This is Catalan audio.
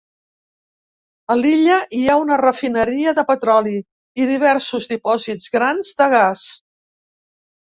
A l'illa hi ha una refineria de petroli i diversos dipòsits grans de gas.